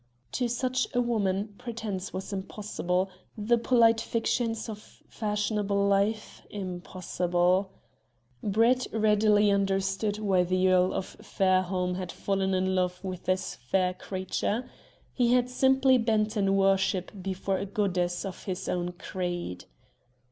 To such a woman pretence was impossible, the polite fictions of fashionable life impossible. Brett readily understood why the Earl of Fairholme had fallen in love with this fair creature. He had simply bent in worship before a goddess of his own creed.